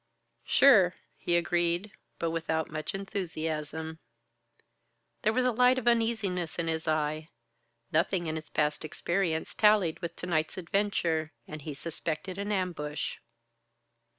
"Sure," he agreed, but without much enthusiasm. There was a light of uneasiness in his eye. Nothing in his past experience tallied with to night's adventure; and he suspected an ambush.